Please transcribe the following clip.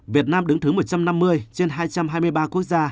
việt nam đứng thứ một trăm năm mươi trên hai trăm hai mươi ba quốc gia